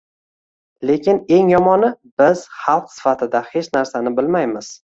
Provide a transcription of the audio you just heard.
Lekin eng yomoni, biz, xalq sifatida, hech narsani bilmaymiz